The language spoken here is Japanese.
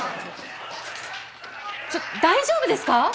ちょっと大丈夫ですか？